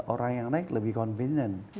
orang yang naik lebih confident